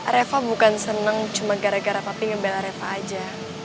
reva bukan seneng cuma gara gara papi ngebelah reva aja